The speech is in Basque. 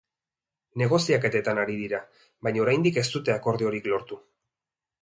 Negoziaketetan ari dira baina oraindik ez dute akordiotik lortu.